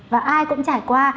và ai cũng trải qua